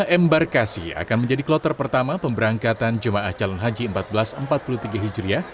tiga embarkasi akan menjadi kloter pertama pemberangkatan jemaah calon haji seribu empat ratus empat puluh tiga hijriah